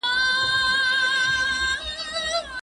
استاد د شاګرد ژبنيو تېروتنو ته پام نه کوي.